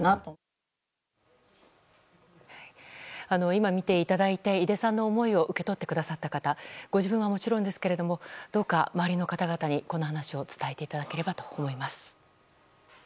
今、見ていただいて井出さんの思いを受け取ってくださった方ご自分はもちろんですがどうか周りの方々に、この話を伝えていただければと思います。